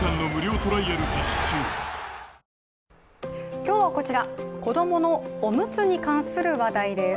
今日はこちら、子供のおむつに関する話題です。